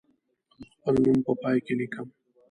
زه خپل نوم په پای کې لیکم.